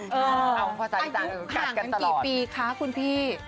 มีทั้งคู่ห่างกันทั้งกี่ปีค่ะคุณพี่